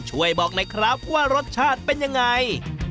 ช่วยบอกหน่อยครับว่ารสชาติเป็นยังไง